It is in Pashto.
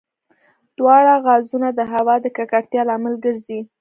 دواړه غازونه د هوا د ککړتیا لامل ګرځي.